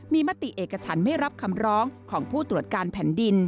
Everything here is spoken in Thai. มีมติเอกฉันไม่รับคำร้องของผู้ตรวจการแผ่นดิน